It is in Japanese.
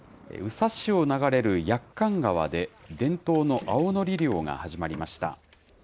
宇佐市を流れる駅館川で、伝統の青のり漁が始まりました。